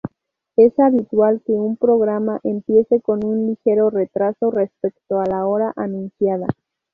Es habitual que un programa empiece con un ligero retraso respecto la hora anunciada.